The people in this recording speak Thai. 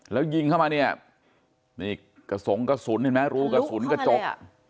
แล้วยิงเข้ามาเนี่ยนี่กระสงกระสุนเห็นไหมรูกระสุนกระจก